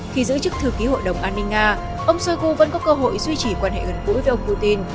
khi giữ chức thư ký hội đồng an ninh nga ông shoigu vẫn có cơ hội duy trì quan hệ gần gũi với ông putin